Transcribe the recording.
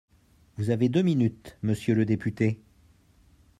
Vous avez deux minutes, monsieur le député.